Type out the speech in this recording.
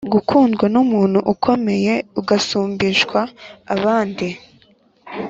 Gukundwa n’umuntu ukomeye ugasumbishwa abandi